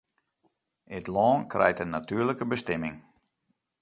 It lân krijt in natuerlike bestimming.